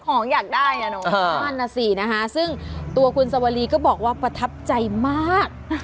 ของอยากได้อ่ะเนอะนั่นน่ะสินะคะซึ่งตัวคุณสวรีก็บอกว่าประทับใจมาก